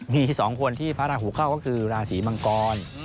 มี๒คนที่พระราหูเข้าก็คือราศีมังกร